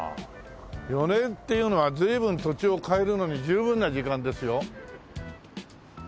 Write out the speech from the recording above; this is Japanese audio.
４年っていうのは随分土地を変えるのに十分な時間ですよ。